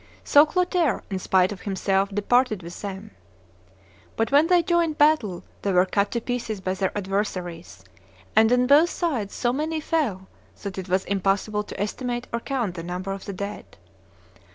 So Clotaire, in spite of himself, departed with them. But when they joined battle they were cut to pieces by their adversaries, and on both sides so many fell that it was impossible to estimate or count the number of the dead.